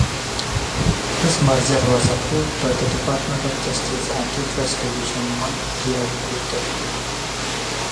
This merger was approved by the Department of Justice Antitrust Division one year later.